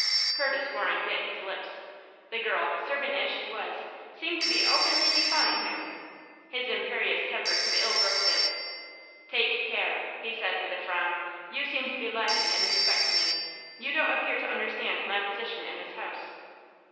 Curtis Waring bit his lips. The girl, servant as she was, seemed to be openly defying him. His imperious temper could ill brook this. "Take care!" he said, with a frown. "You seem to be lacking in respect to me. You don't appear to understand my position in this house."